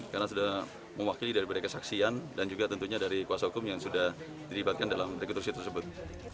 karena sudah mewakili dari berdekat saksian dan juga tentunya dari kuasa hukum yang sudah dilibatkan dalam rekonstruksi tersebut